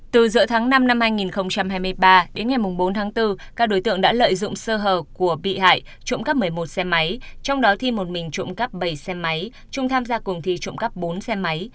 từ giữa tháng năm năm hai nghìn hai mươi ba đến ngày bốn tháng bốn các đối tượng đã lợi dụng sơ hờ của bị hại trụm cắp một mươi một xe máy trong đó thi một mình trụm cắp bảy xe máy trung tham gia cùng thi trụm cắp bốn xe máy